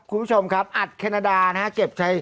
คุณผู้ชมครับอัดแคนาดานะครับ